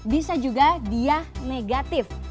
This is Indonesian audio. bisa juga dia negatif